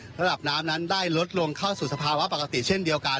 ระดับน้ำนั้นได้ลดลงเข้าสู่สภาวะปกติเช่นเดียวกัน